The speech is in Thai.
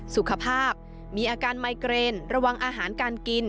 สุขภาพมีอาการไมเกรนระวังอาหารการกิน